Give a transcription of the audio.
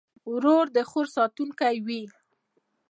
ورور د خور ساتونکی وي.